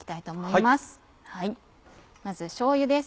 まずしょうゆです。